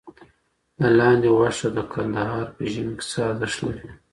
د لاندي غوښه د کندهار په ژمي کي څه ارزښت لري؟